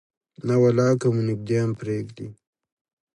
نه ولا که مو نږدې هم پرېږدي.